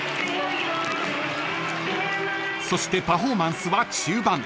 ［そしてパフォーマンスは中盤］